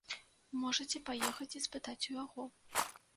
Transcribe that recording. Можаце паехаць і спытаць у яго.